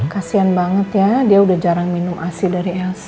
kasian banget ya dia udah jarang minum asi dari els